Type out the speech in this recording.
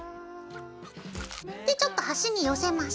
でちょっと端に寄せます。